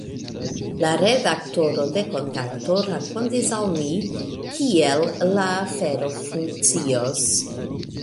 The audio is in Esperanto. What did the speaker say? La redaktoro de Kontakto, rakontis al ni, kiel la afero funkcios.